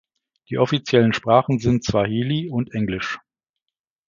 Die offiziellen Sprachen sind Swahili und Englisch.